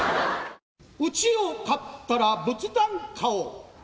うちを買ったら仏壇買おう。